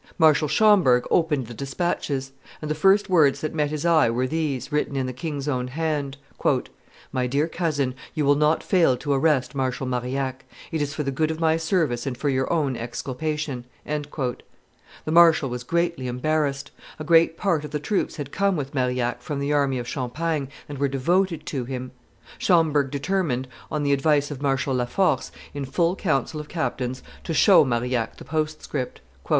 Marshal Schomberg opened the despatches; and the first words that met his eye were these, written in the king's own hand: "My dear cousin, you will not fail to arrest Marshal Marillac; it is for the good of my service and for your own exculpation." The marshal was greatly embarrassed; a great part of the troops had come with Marillac from the army of Champagne and were devoted to him. Schomberg determined, on the advice of Marshal La Force, in full council of captains, to show Marillac the postcript.